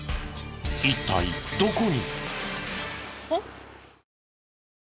一体どこに？